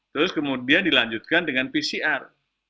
terus kemudian dilanjutkan dengan pcr